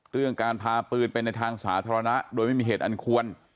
เรื่องการพาปืนไปในทางสาธารณะโดยไม่มีเหตุอันควร